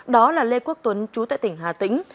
đó là lê quốc tuấn chú tại tỉnh hà tĩnh